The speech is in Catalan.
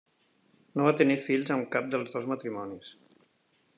No va tenir fills amb cap dels dos matrimonis.